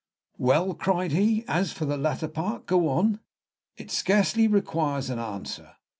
"Well," cried he, "as for the latter part; go on." "It scarcely requires an answer.